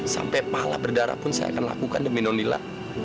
sampai pala berdarah pun saya akan lakukan demi nonila